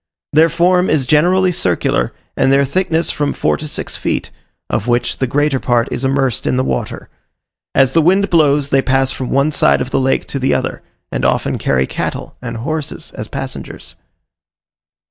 Their form is generally circular, and their thickness from four to six feet, of which the greater part is immersed in the water. As the wind blows, they pass from one side of the lake to the other, and often carry cattle and horses as passengers.